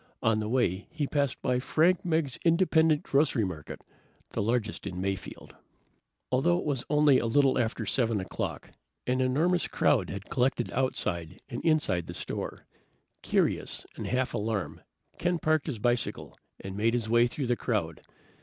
On the way he passed by Frank Meggs Independent Grocery Market, the largest in Mayfield. Although it was only a little after 7 o'clock, an enormous crowd had collected outside and inside the store. Curious and half alarmed, Ken parked his bicycle and made his way through the crowd.